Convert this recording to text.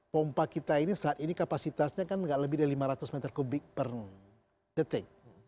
pompa kita ini saat ini kapasitasnya kan tidak lebih dari lima ratus meter kubik per detik